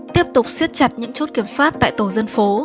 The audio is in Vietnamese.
tiếp tục siết chặt những chốt kiểm soát tại tổ dân phố